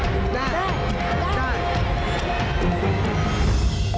โอ้โฮพี่ก้อง